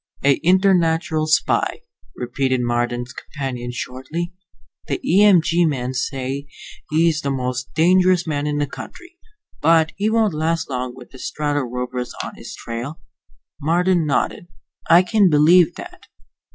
"A internatural spy," repeated Marden's companion, shortly. "The E M G men say he's the most dangerous man in the country. But he won't last long with the Strato Rovers on his trail." Marden nodded. "I can believe that.